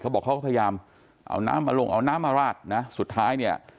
บอกเขาก็พยายามเอาน้ำมาลงเอาน้ำมาราดนะสุดท้ายเนี่ย